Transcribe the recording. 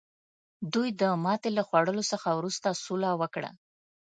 دوی د ماتې له خوړلو څخه وروسته سوله وکړه.